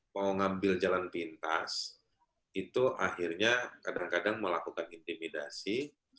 mau ngambil jalan pintas itu akhirnya kadang kadang melakukan intimidasi